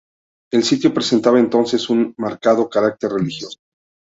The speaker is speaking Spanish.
El sitio presentaba entonces un marcado carácter religioso.